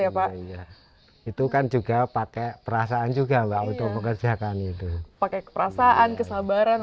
ya pak iya itu kan juga pakai perasaan juga mbak untuk mengerjakan itu pakai perasaan kesabaran